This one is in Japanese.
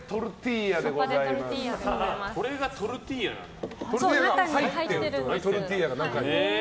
これがトルティーヤなんだ。